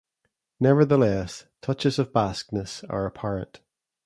Nevertheless, touches of Basqueness are apparent.